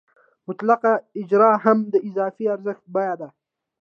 مطلقه اجاره هم د اضافي ارزښت بیه ده